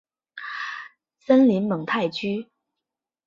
森林蒙泰居。